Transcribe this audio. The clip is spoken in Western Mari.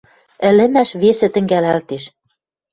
Ӹлӹмӓш весӹ тӹнгӓлӓлтеш.